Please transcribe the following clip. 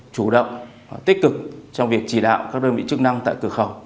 chủ động tích cực trong việc chỉ đạo các đơn vị chức năng tại cửa khẩu